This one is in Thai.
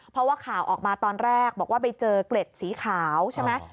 เพราะว่าข่าวออกมาตอนแรกบอกว่าไปเจอเกล็ดสีขาวใช่ไหม